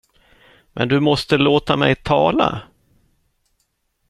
Men du måste låta mig tala!